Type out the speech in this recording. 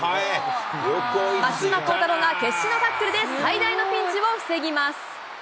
松島幸太朗が決死のタックルで、最大のピンチを防ぎます。